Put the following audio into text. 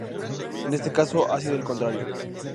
En este caso, ha sido al contrario.